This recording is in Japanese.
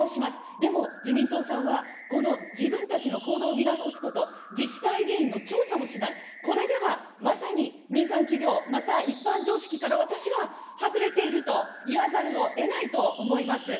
でも、自民党さんは、この自分たちの行動を見直すこと、自治体議員の調査もしない、これではまさに民間企業、また一般常識から私は外れていると言わざるをえないと思います。